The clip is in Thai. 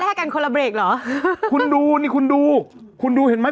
แค่กันคนละเบรกเหรอคุณดูนี่คุณดูคุณดูเห็นไหม